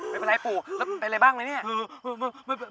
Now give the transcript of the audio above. เป็นยังไงปูเป็นอะไรบ้างนึง